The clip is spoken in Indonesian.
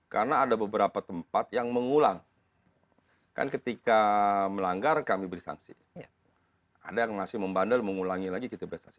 karena ada beberapa tempat yang mengulang kan ketika melanggar kami beri sanksi ada yang masih membandel mengulangi lagi kita beri sanksi